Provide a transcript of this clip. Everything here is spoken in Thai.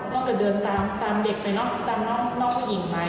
นอกจากเดินตามตามเด็กไปตามน้องผู้หญิงไป